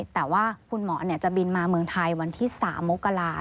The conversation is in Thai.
แต่ว่าคุณหมอจะบินมาเมืองไทยวันที่๓มกรา